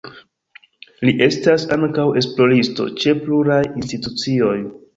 Li estas ankaŭ esploristo ĉe pluraj institucioj.